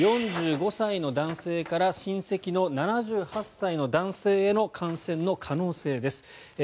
４５歳の男性から親戚の７８歳の男性への感染の可能性です。